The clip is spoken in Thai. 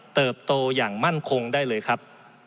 เติบโตอย่างมั่นคงได้เลยครับ